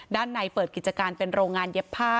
ด้านในเปิดกิจการเป็นโรงงานเย็บผ้า